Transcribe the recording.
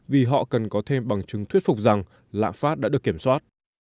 vì họ cần có thêm bằng chứng thuyết phục rằng lãng phát đã được kiểm soát